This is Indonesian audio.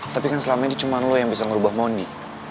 tapi selama ini cuma kamu yang bisa merubah mondi